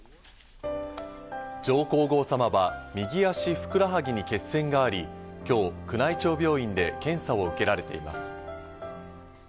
上皇后さまは右足ふくらはぎに血栓があり、今日、宮内庁病院で検査を受けられています。